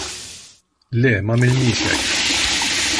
Le m'għamilniex hekk.